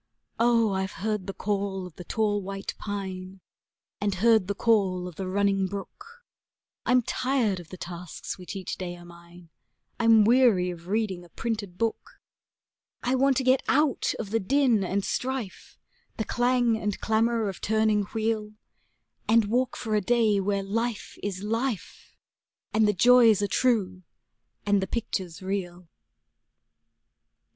Oh, I've heard the call of the tall white pine, and heard the call of the running brook; I'm tired of the tasks which each day are mine, I'm weary of reading a printed book; I want to get out of the din and strife, the clang and clamor of turning wheel, And walk for a day where life is life, and the joys are true and the pictures real.